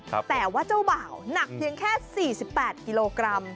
แต่ว่าเจ้าบ่าวหนักเพียงแค่๔๘กิโลกรัม